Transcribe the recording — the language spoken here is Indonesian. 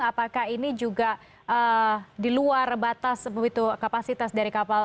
apakah ini juga di luar batas begitu kapasitas dari kapal